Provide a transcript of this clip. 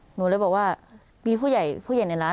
หนูเลยบอกว่ามีผู้ใหญ่ในร้าน